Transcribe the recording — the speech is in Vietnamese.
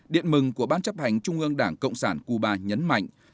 điện mừng của ban chấp hành trung ương đảng cộng sản cuba nhấn mạnh